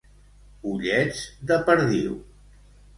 Ullets de perdiu.